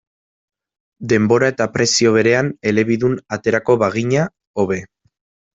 Denbora eta prezio berean elebidun aterako bagina, hobe.